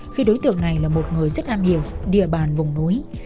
khi đối tượng này là một người rất am hiểu địa bàn vùng núi